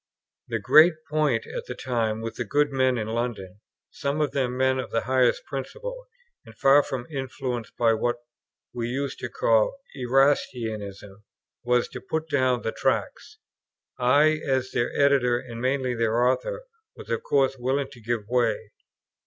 The great point at the time with these good men in London, some of them men of the highest principle, and far from influenced by what we used to call Erastianism, was to put down the Tracts. I, as their editor, and mainly their author, was of course willing to give way.